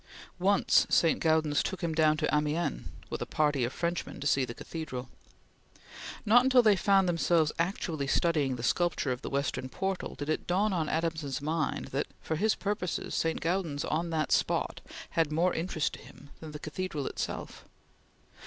Once St. Gaudens took him down to Amiens, with a party of Frenchmen, to see the cathedral. Not until they found themselves actually studying the sculpture of the western portal, did it dawn on Adams's mind that, for his purposes, St. Gaudens on that spot had more interest to him than the cathedral itself.